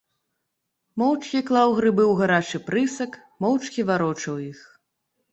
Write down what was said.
Моўчкі клаў грыбы ў гарачы прысак, моўчкі варочаў іх.